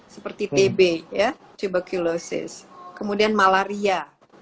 seperti tb tuberculosis kemudian malaria